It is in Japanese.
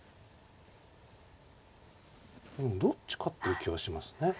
どっちかっていう気はしますね。